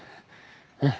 うん。